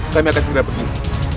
kami akan segera berguna